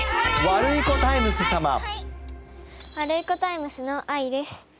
ワルイコタイムスのあいです。